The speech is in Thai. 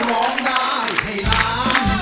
ร้องได้ให้ล้าน